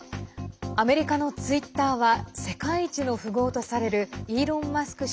アメリカのツイッターは世界一の富豪とされるイーロン・マスク